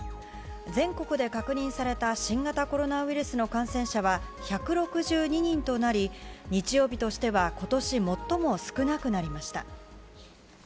全国で確認された新型コロナウイルスの感染者は１６２人となり日曜日としては今年最も少なくなりました。